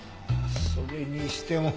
それにしても。